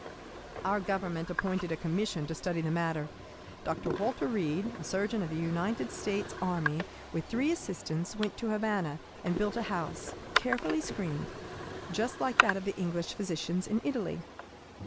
"Our Government appointed a commission to study the matter. Dr. Walter Reed, a surgeon of the United States Army, with three assistants, went to Havana and built a house, carefully screened, just like that of the English physicians in Italy.